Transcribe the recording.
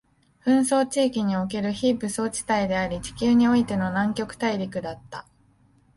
紛争地域における非武装地帯であり、地球においての南極大陸だった